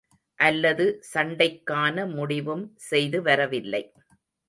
அல்லது சண்டைக்கான முடிவும் செய்து வரவில்லை.